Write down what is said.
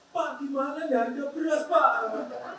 pak dimana nyari duas pak